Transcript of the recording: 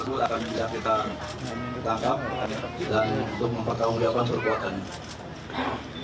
terus angkat akan menjaga kita tangkap dan untuk empat tahun ke depan berkuatannya